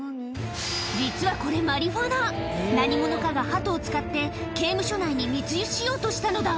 実はこれ何者かがハトを使って刑務所内に密輸しようとしたのだ